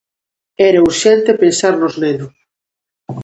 Era urxente pensar nos nenos.